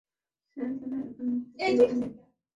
Sir, তারা এখানে থেকে পালিয়েছে।